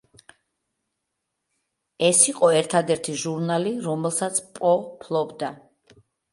ეს იყო ერთადერთი ჟურნალი, რომელსაც პო ფლობდა.